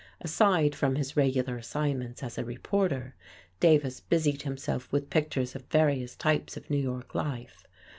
Aside from his regular assignments as a reporter, Davis busied himself with pictures of various types of New York life.